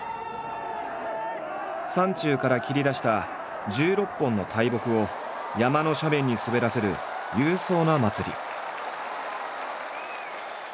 山中から切り出した１６本の大木を山の斜面に滑らせる勇壮な祭り。